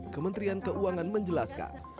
kementerian keuangan menjelaskan